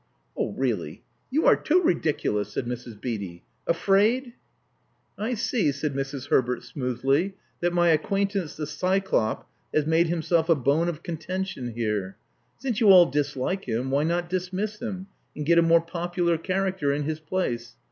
Oh, really you are too ridiculous," said Mrs. Beatty. *» Afraid!" I see," said Mrs. Herbert smoothly, that my acquaintance the Cyclop has made himself a bone of contention here. Since you all dislike him, why not dismiss him and get a more popular character in his place?